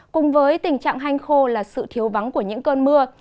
cùng với tình trạng hanh khô là sự thiếu vắng của những cơn mưa